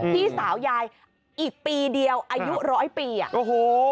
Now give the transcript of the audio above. พี่สาวยายอีกปีเดียวอายุร้อยปีอ่ะโอ้โห